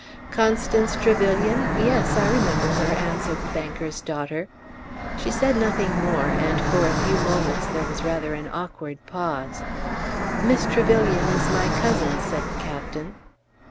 "Constance Trevyllian? Yes, I remember her," answered the banker's daughter. She said nothing more, and for a few moments there was rather an awkward pause. "Miss Trevyllian is my cousin," said the captain.